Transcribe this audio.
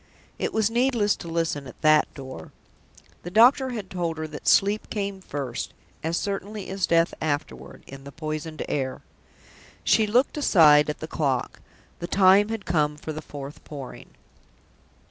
It was needless to listen at that door. The doctor had told her that Sleep came first, as certainly as Death afterward, in the poisoned air. She looked aside at the clock. The time had come for the fourth Pouring.